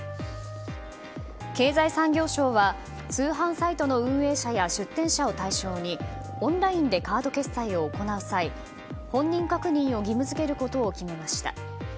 経済産業省は通販サイトの運営者や出店者を対象にオンラインでカード決済を行う際本人確認を義務付けることを決めました。